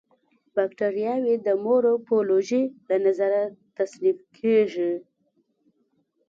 باکټریاوې د مورفولوژي له نظره تصنیف کیږي.